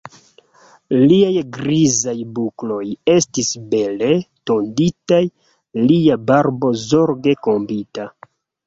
Liaj grizaj bukloj estis bele tonditaj, lia barbo zorge kombita.